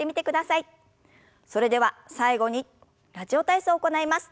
それでは最後に「ラジオ体操」を行います。